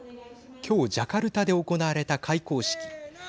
今日ジャカルタで行われた開校式。